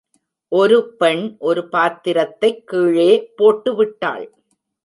ஒரு பெண் ஒரு பாத்திரத்தைக் கீழே போட்டு விட்டாள்.